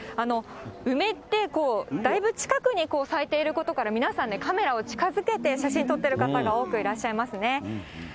梅ってこう、だいぶ近くに咲いていることから、皆さんね、カメラを近づけて写真撮っている方が多くいらっしゃいますね。